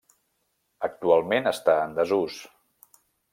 Actualment està en desús.